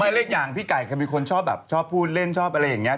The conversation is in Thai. ไม่เลคอย่างพี่ไก่มีคนถึงชอบชอบพูดเล่นชอบอะไรแบบเนี่ย